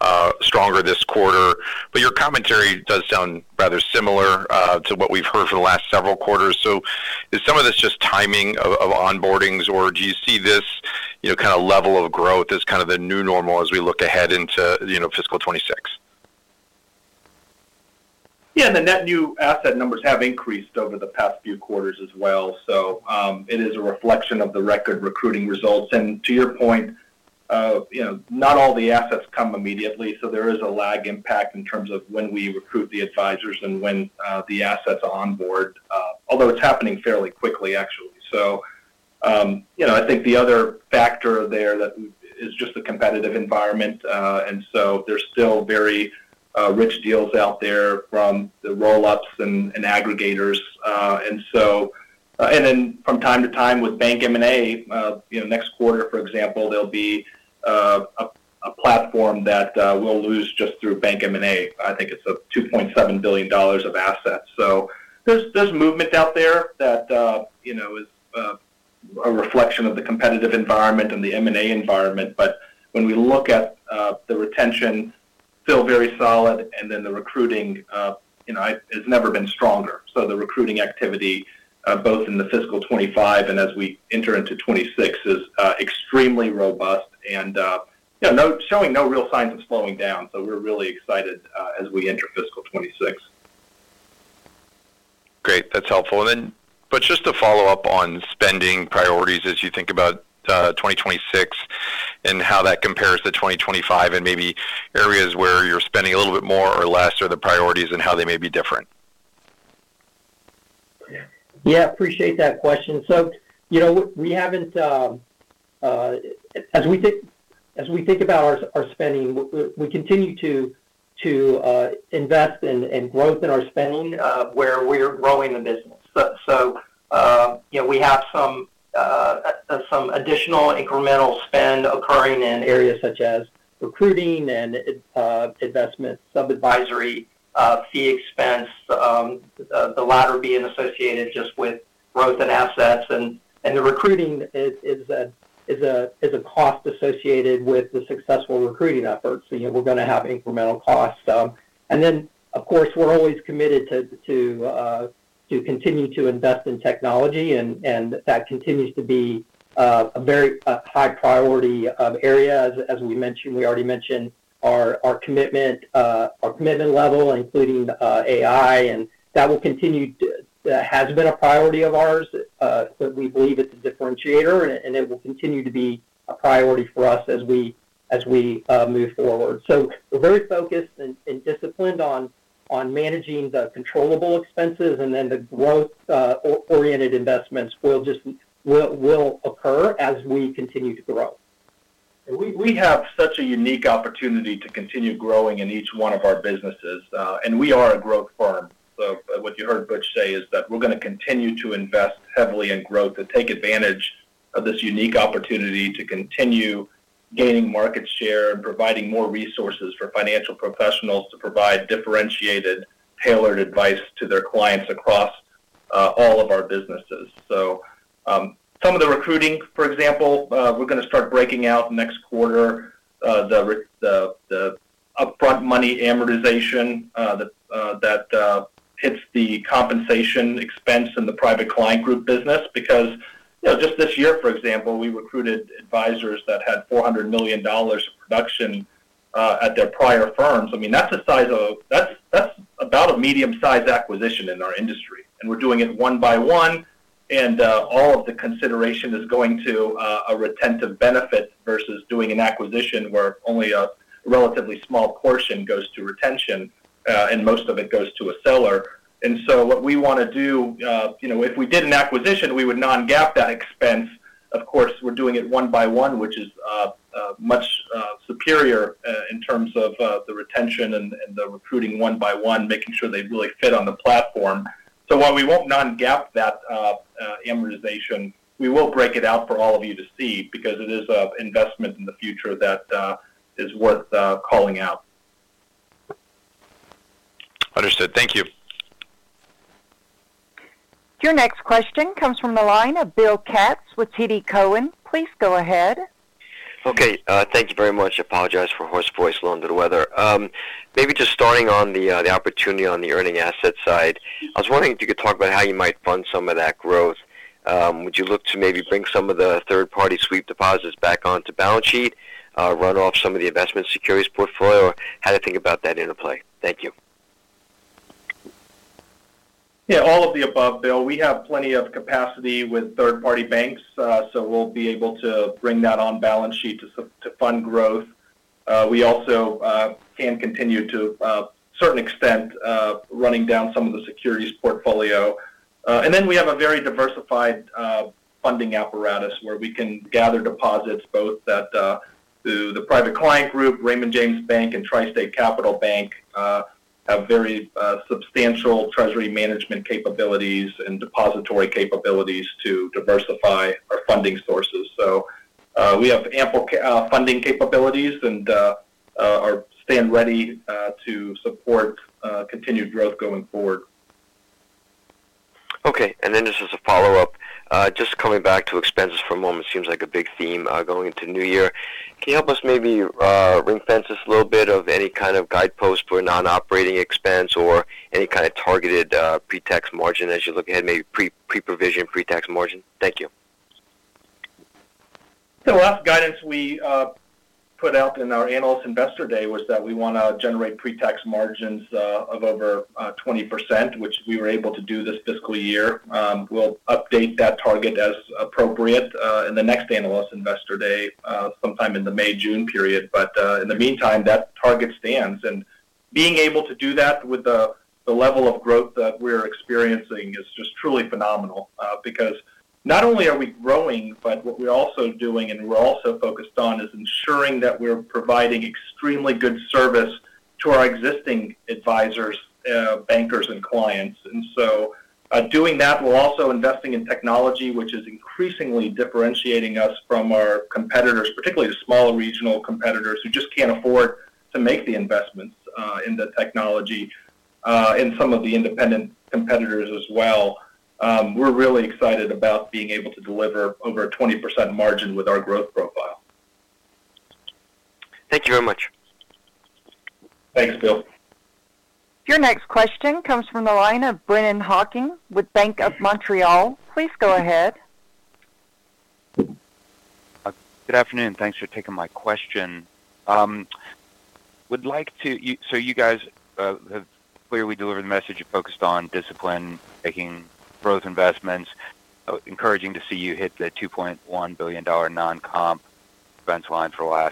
are stronger this quarter, but your commentary does sound rather similar to what we've heard for the last several quarters. Is some of this just timing of onboardings, or do you see this kind of level of growth as kind of the new normal as we look ahead into fiscal 2026? Yeah, and the net new asset numbers have increased over the past few quarters as well. It is a reflection of the record recruiting results. To your point, not all the assets come immediately. There is a lag impact in terms of when we recruit the advisors and when the assets onboard, although it's happening fairly quickly, actually. I think the other factor there is just the competitive environment. There are still very rich deals out there from the roll-ups and aggregators. From time to time with bank M&A, next quarter, for example, there'll be a platform that we'll lose just through bank M&A. I think it's a $2.7 billion of assets. There is movement out there that is a reflection of the competitive environment and the M&A environment. When we look at the retention, still very solid. The recruiting has never been stronger. The recruiting activity, both in the fiscal 2025 and as we enter into 2026, is extremely robust and showing no real signs of slowing down. We're really excited as we enter fiscal 2026. Great, that's helpful. Butch, just to follow up on spending priorities as you think about 2026 and how that compares to 2025, maybe areas where you're spending a little bit more or less, or the priorities and how they may be different. I appreciate that question. As we think about our spending, we continue to invest in growth in our spending where we're growing the business. We have some additional incremental spend occurring in areas such as recruiting and investment, sub-advisory, fee expense, the latter being associated just with growth in assets. The recruiting is a cost associated with the successful recruiting efforts. We're going to have incremental costs. Of course, we're always committed to continue to invest in technology, and that continues to be a very high priority area. As we mentioned, we already mentioned our commitment level, including AI. That will continue; that has been a priority of ours, but we believe it's a differentiator. It will continue to be a priority for us as we move forward. We're very focused and disciplined on managing the controllable expenses, and the growth-oriented investments will occur as we continue to grow. We have such a unique opportunity to continue growing in each one of our businesses. We are a growth firm. What you heard Butch say is that we're going to continue to invest heavily in growth to take advantage of this unique opportunity to continue gaining market share and providing more resources for financial professionals to provide differentiated, tailored advice to their clients across all of our businesses. Some of the recruiting, for example, we're going to start breaking out next quarter, the upfront money amortization that hits the compensation expense in the Private Client Group business. Just this year, for example, we recruited advisors that had $400 million of production at their prior firms. That's about a medium-sized acquisition in our industry. We're doing it one by one. All of the consideration is going to a retentive benefit versus doing an acquisition where only a relatively small portion goes to retention and most of it goes to a seller. What we want to do, if we did an acquisition, we would non-GAAP that expense. Of course, we're doing it one by one, which is much superior in terms of the retention and the recruiting one by one, making sure they really fit on the platform. While we won't non-GAAP that amortization, we will break it out for all of you to see because it is an investment in the future that is worth calling out. Understood. Thank you. Your next question comes from the line of Bill Katz with TD Cowen. Please go ahead. Okay, thank you very much. I apologize for a hoarse voice, loaned to the weather. Maybe just starting on the opportunity on the earning asset side, I was wondering if you could talk about how you might fund some of that growth. Would you look to maybe bring some of the third-party sweep deposits back onto balance sheet, run off some of the investment securities portfolio, or how to think about that interplay? Thank you. Yeah, all of the above, Bill. We have plenty of capacity with third-party banks, so we'll be able to bring that on balance sheet to fund growth. We also can continue to a certain extent running down some of the securities portfolio. We have a very diversified funding apparatus where we can gather deposits both through the Private Client Group, Raymond James Bank, and Tri-State Capital Bank, which have very substantial treasury management capabilities and depository capabilities to diversify our funding sources. We have ample funding capabilities and are stand ready to support continued growth going forward. Okay, and then just as a follow-up, just coming back to expenses for a moment, seems like a big theme going into the new year. Can you help us maybe ring-fence this a little bit of any kind of guidepost for non-operating expense or any kind of targeted pre-tax margin as you look ahead, maybe pre-provision pre-tax margin? Thank you. The last guidance we put out in our Analyst Investor Day was that we want to generate pre-tax margins of over 20%, which we were able to do this fiscal year. We will update that target as appropriate in the next Analyst Investor Day sometime in the May-June period. In the meantime, that target stands. Being able to do that with the level of growth that we're experiencing is just truly phenomenal because not only are we growing, but what we're also doing and we're also focused on is ensuring that we're providing extremely good service to our existing advisors, bankers, and clients. Doing that while also investing in technology, which is increasingly differentiating us from our competitors, particularly the smaller regional competitors who just can't afford to make the investments in the technology and some of the independent competitors as well, is important. We're really excited about being able to deliver over a 20% margin with our growth profile. Thank you very much. Thanks, Bill. Your next question comes from the line of Brennan Hawken with Bank of Montreal. Please go ahead. Good afternoon. Thanks for taking my question. You guys have clearly delivered the message you focused on discipline, making growth investments. Encouraging to see you hit the $2.1 billion non-comp expense line for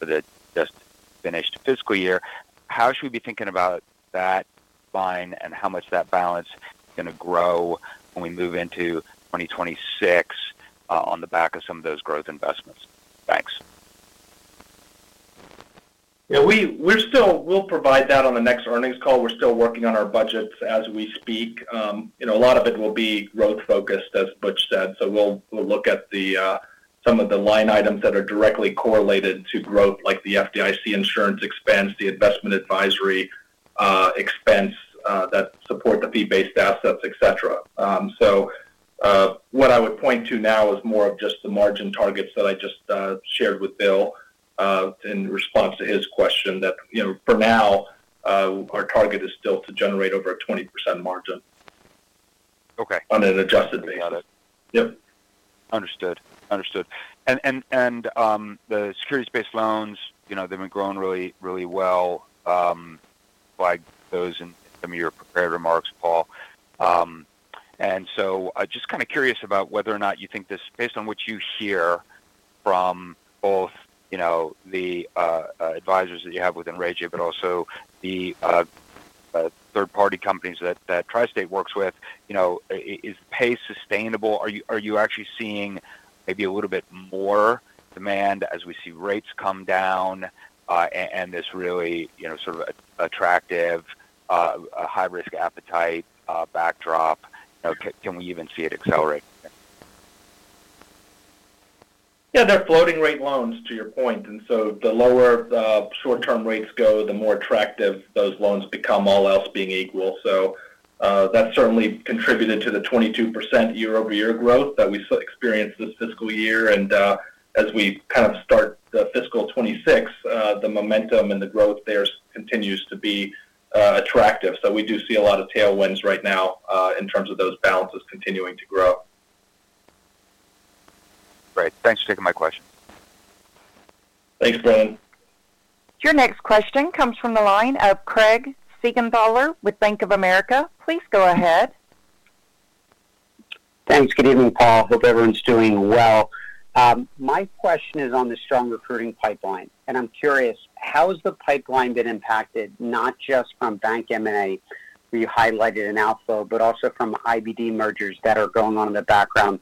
the just finished fiscal year. How should we be thinking about that line and how much that balance is going to grow when we move into 2026 on the back of some of those growth investments? Thanks. Yeah, we'll provide that on the next earnings call. We're still working on our budgets as we speak. A lot of it will be growth-focused, as Butch Oorlog said. We'll look at some of the line items that are directly correlated to growth, like the FDIC insurance expense, the investment advisory expense that support the fee-based assets, etc. What I would point to now is more of just the margin targets that I just shared with Bill Katz in response to his question that, for now, our target is still to generate over a 20% margin on an adjusted basis. Got it. Yep. Understood. The securities-based loans, you know, they've been growing really, really well by those in some of your prepared remarks, Paul. I'm just kind of curious about whether or not you think this, based on what you hear from both, you know, the advisors that you have within Raymond, but also the third-party companies that Tri-State works with, you know, is the pace sustainable? Are you actually seeing maybe a little bit more demand as we see rates come down and this really, you know, sort of attractive, high-risk appetite backdrop? You know, can we even see it accelerating? Yeah, they're floating rate loans to your point. The lower the short-term rates go, the more attractive those loans become, all else being equal. That's certainly contributed to the 22% year-over-year growth that we experienced this fiscal year. As we kind of start the fiscal 2026, the momentum and the growth there continues to be attractive. We do see a lot of tailwinds right now in terms of those balances continuing to grow. Great. Thanks for taking my question. Thanks, Brennan. Your next question comes from the line of Craig Siegenthaler with Bank of America. Please go ahead. Thanks. Good evening, Paul. Hope everyone's doing well. My question is on the strong recruiting pipeline. I'm curious, how has the pipeline been impacted, not just from bank M&A, where you highlighted an outflow, but also from IBD mergers that are going on in the background?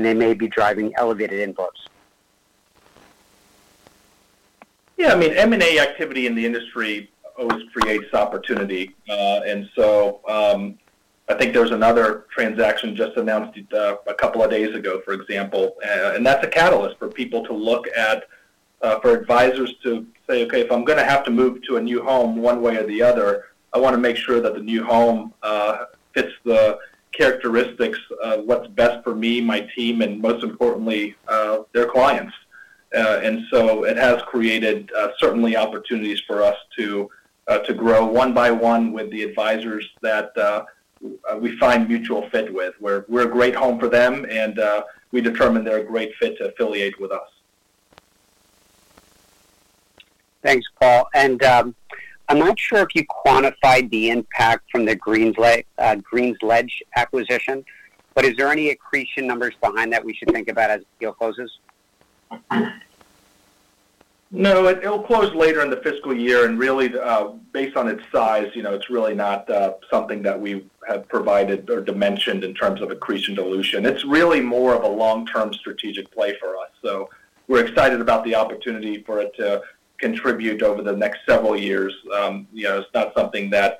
They may be driving elevated inputs. Yeah, I mean, M&A activity in the industry always creates opportunity. I think there's another transaction just announced a couple of days ago, for example. That's a catalyst for people to look at, for advisors to say, "Okay, if I'm going to have to move to a new home one way or the other, I want to make sure that the new home fits the characteristics of what's best for me, my team, and most importantly, their clients." It has created certainly opportunities for us to grow one by one with the advisors that we find mutual fit with. We're a great home for them, and we determine they're a great fit to affiliate with us. Thanks, Paul. I'm not sure if you quantified the impact from the GreensLedge acquisition, but is there any accretion numbers behind that we should think about as the deal closes? No, it'll close later in the fiscal year. Really, based on its size, it's not something that we have provided or dimensioned in terms of accretion dilution. It's more of a long-term strategic play for us. We're excited about the opportunity for it to contribute over the next several years. It's not something that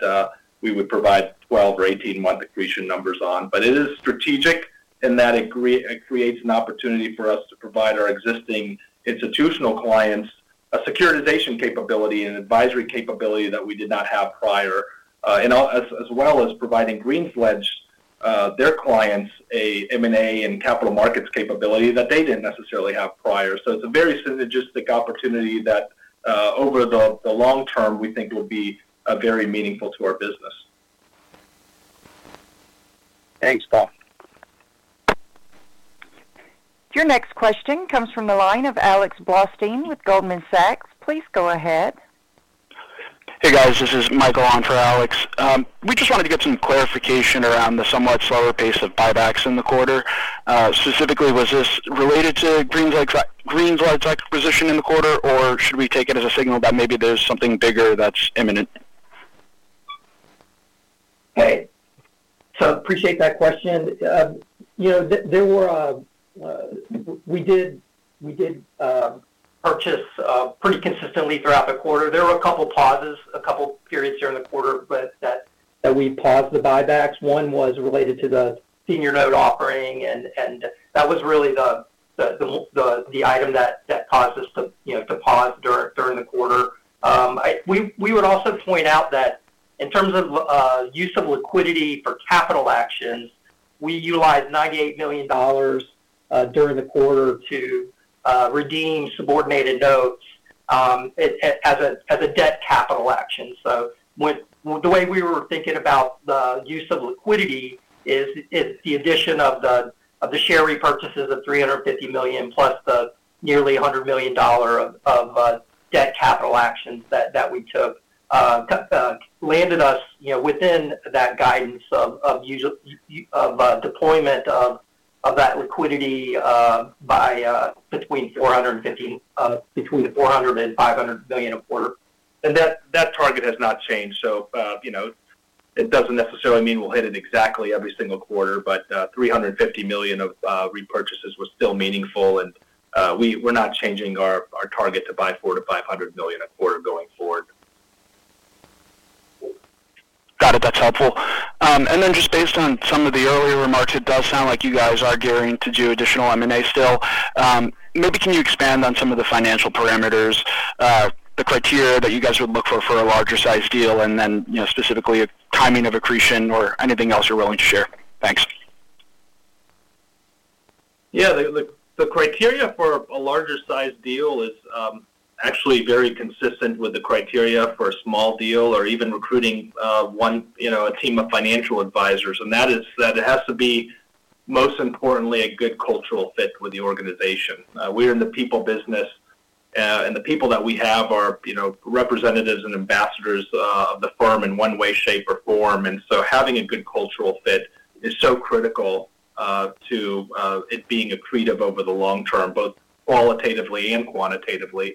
we would provide 12 or 18-month accretion numbers on, but it is strategic in that it creates an opportunity for us to provide our existing institutional clients a securitization capability and advisory capability that we did not have prior, as well as providing GreensLedge, their clients, an M&A and Capital Markets capability that they didn't necessarily have prior. It's a very synergistic opportunity that over the long term we think will be very meaningful to our business. Thanks, Paul. Your next question comes from the line of Alex Blostein with Goldman Sachs. Please go ahead. Hey, guys. This is Michael on for Alex. We just wanted to get some clarification around the somewhat slower pace of buybacks in the quarter. Specifically, was this related to GreensLedge's acquisition in the quarter, or should we take it as a signal that maybe there's something bigger that's imminent? Okay. I appreciate that question. You know, we did purchase pretty consistently throughout the quarter. There were a couple of pauses, a couple of periods during the quarter that we paused the buybacks. One was related to the senior note offering, and that was really the item that caused us to pause during the quarter. I would also point out that in terms of use of liquidity for capital actions, we utilized $98 million during the quarter to redeem subordinated notes as a debt capital action. The way we were thinking about the use of liquidity is the addition of the share repurchases of $350 million plus the nearly $100 million of debt capital actions that we took landed us within that guidance of deployment of that liquidity between $450 million and $500 million a quarter. That target has not changed. It doesn't necessarily mean we'll hit it exactly every single quarter, but $350 million of repurchases was still meaningful, and we're not changing our target to buy $400 to $500 million a quarter going forward. Got it. That's helpful. Based on some of the earlier remarks, it does sound like you guys are gearing to do additional M&A still. Maybe can you expand on some of the financial parameters, the criteria that you guys would look for for a larger-sized deal, and specifically a timing of accretion or anything else you're willing to share? Thanks. Yeah, the criteria for a larger-sized deal is actually very consistent with the criteria for a small deal or even recruiting a team of financial advisors. That is that it has to be, most importantly, a good cultural fit with the organization. We're in the people business, and the people that we have are representatives and ambassadors of the firm in one way, shape, or form. Having a good cultural fit is so critical to it being accretive over the long-term, both qualitatively and quantitatively.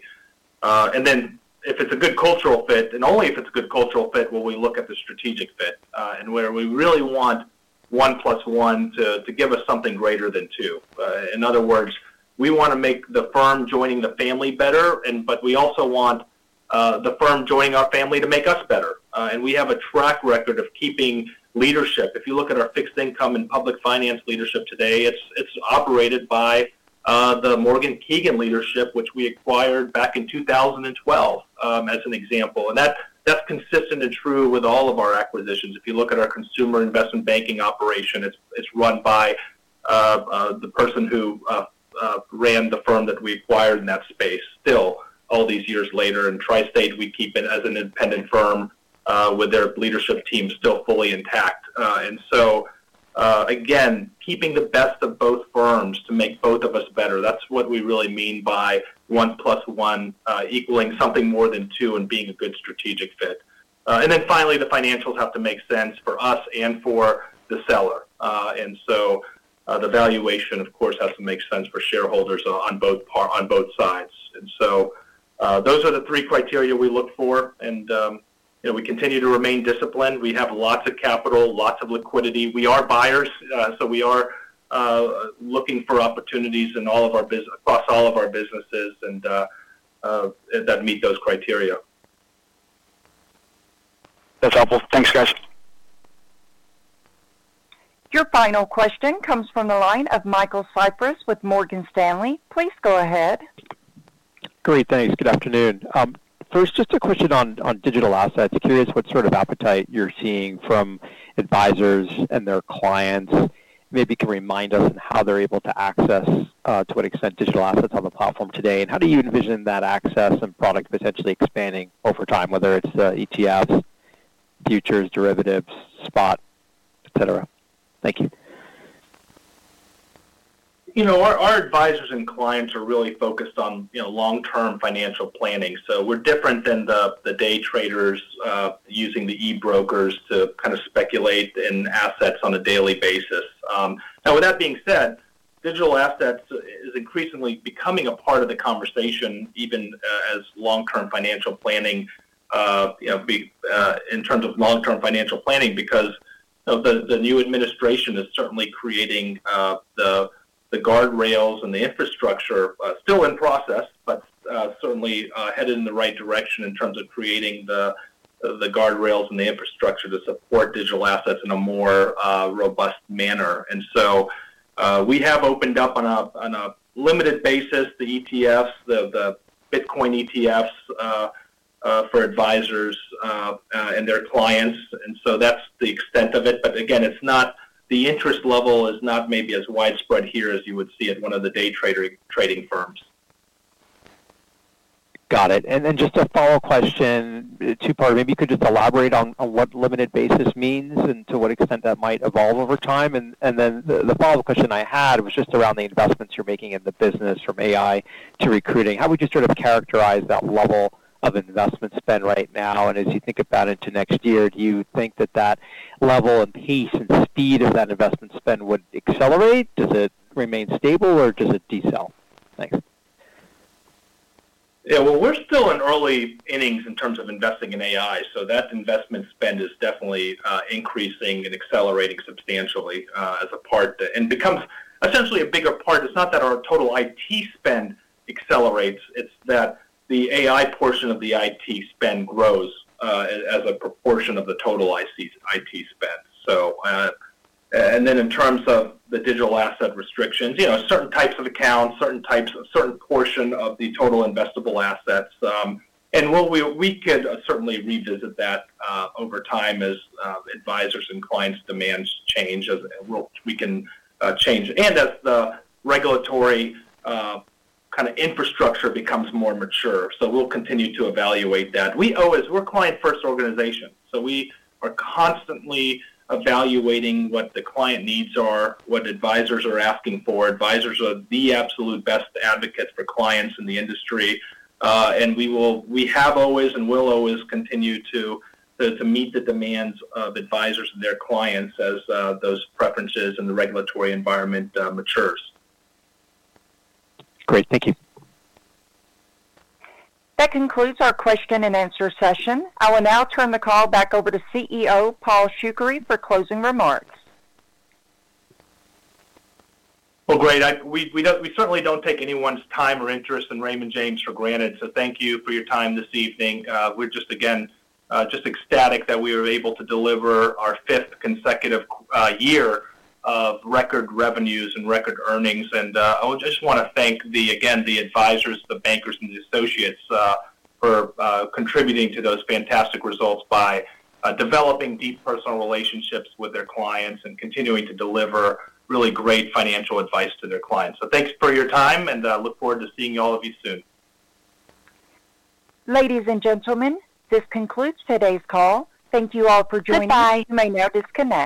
If it's a good cultural fit, and only if it's a good cultural fit, we will look at the strategic fit and where we really want one plus one to give us something greater than two. In other words, we want to make the firm joining the family better, but we also want the firm joining our family to make us better. We have a track record of keeping leadership. If you look at our fixed income and public finance leadership today, it's operated by the Morgan Keegan leadership, which we acquired back in 2012 as an example. That's consistent and true with all of our acquisitions. If you look at our consumer investment banking operation, it's run by the person who ran the firm that we acquired in that space. Still, all these years later, in Tri-State, we keep it as an independent firm with their leadership team still fully intact. Again, keeping the best of both firms to make both of us better, that's what we really mean by one plus one equaling something more than two and being a good strategic fit. Finally, the financials have to make sense for us and for the seller. The valuation, of course, has to make sense for shareholders on both sides. Those are the three criteria we look for. We continue to remain disciplined. We have lots of capital, lots of liquidity. We are buyers, so we are looking for opportunities in all of our business, across all of our businesses, that meet those criteria. That's helpful. Thanks, guys. Your final question comes from the line of Michael Cyprys with Morgan Stanley. Please go ahead. Great, thanks. Good afternoon. First, just a question on digital assets. Curious what sort of appetite you're seeing from advisors and their clients. Maybe you can remind us on how they're able to access, to what extent digital assets on the platform today, and how do you envision that access and product potentially expanding over time, whether it's ETFs, futures, derivatives, spot, etc.? Thank you. Our advisors and clients are really focused on long-term financial planning. We're different than the day traders using the e-brokers to speculate in assets on a daily basis. With that being said, digital assets is increasingly becoming a part of the conversation, even in terms of long-term financial planning, because the new administration is certainly creating the guardrails and the infrastructure, still in process, but certainly headed in the right direction in terms of creating the guardrails and the infrastructure to support digital assets in a more robust manner. We have opened up on a limited basis the ETFs, the Bitcoin ETFs for advisors and their clients. That's the extent of it. The interest level is not maybe as widespread here as you would see at one of the day trading firms. Got it. Just a follow-up question, two-part. Maybe you could elaborate on what limited basis means and to what extent that might evolve over time. The follow-up question I had was just around the investments you're making in the business from AI to recruiting. How would you sort of characterize that level of investment spend right now? As you think about it into next year, do you think that level and pace and speed of that investment spend would accelerate? Does it remain stable or does it decel? Thanks. We're still in early innings in terms of investing in AI. That investment spend is definitely increasing and accelerating substantially as a part and becomes essentially a bigger part. It's not that our total IT spend accelerates, it's that the AI portion of the IT spend grows as a proportion of the total IT spend. In terms of the digital asset restrictions, certain types of accounts, certain types of certain portion of the total investable assets. We could certainly revisit that over time as advisors' and clients' demands change. We can change as the regulatory kind of infrastructure becomes more mature. We'll continue to evaluate that. We owe as we're a client-first organization. We are constantly evaluating what the client needs are, what advisors are asking for. Advisors are the absolute best advocates for clients in the industry. We have always and will always continue to meet the demands of advisors and their clients as those preferences and the regulatory environment matures. Great, thank you. That concludes our question-and-answer session. I will now turn the call back over to CEO Paul Shoukry for closing remarks. We certainly don't take anyone's time or interest in Raymond James for granted. Thank you for your time this evening. We're just ecstatic that we were able to deliver our fifth consecutive year of record revenues and record earnings. I just want to thank, again, the advisors, the bankers, and the associates for contributing to those fantastic results by developing deep personal relationships with their clients and continuing to deliver really great financial advice to their clients. Thanks for your time, and I look forward to seeing all of you soon. Ladies and gentlemen, this concludes today's call. Thank you all for joining us. Goodbye. You may now disconnect.